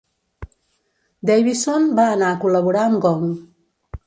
Davison va anar a col·laborar amb Gong.